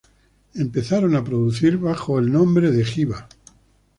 Empezaron a producir bajo el nombre de Jiva.